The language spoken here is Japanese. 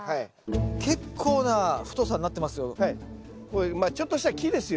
結構な太さになってますよ。